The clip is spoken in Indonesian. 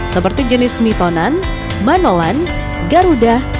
seperti jenis mitonan manolan garuda